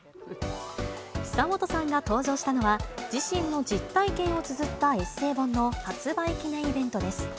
久本さんが登場したのは、自身の実体験をつづったエッセー本の発売記念イベントです。